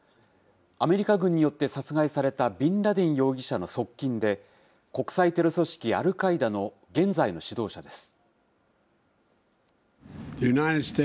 アメリカ軍によって殺害されたビンラディン容疑者の側近で、国際テロ組織アルカイダの現在の指導者です。